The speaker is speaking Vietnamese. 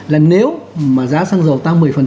là nếu mà giá sang dầu tăng một mươi